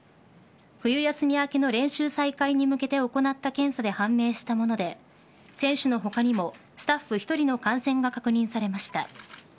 冬休み明けの練習再開に向けて行った検査で判明したもので選手の他にもスタッフ１人の感染が確認されました。